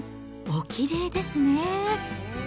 おきれいですね。